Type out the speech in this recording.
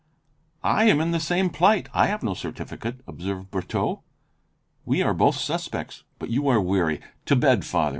"I am in the same plight, I have no certificate," observed Brotteaux. "We are both suspects. But you are weary. To bed, Father.